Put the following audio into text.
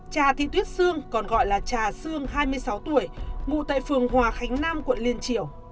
cha thị tuyết sương còn gọi là trà sương hai mươi sáu tuổi ngụ tại phường hòa khánh nam quận liên triều